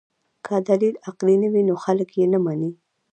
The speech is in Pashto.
که دلیل عقلي نه وي نو خلک یې نه مني.